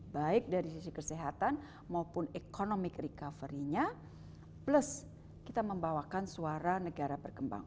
baik dari sisi kesehatan maupun ekonomi recovery nya plus kita membawakan suara negara berkembang